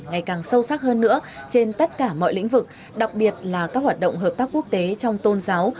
ngày càng sâu sắc hơn nữa trên tất cả mọi lĩnh vực đặc biệt là các hoạt động hợp tác quốc tế trong tôn giáo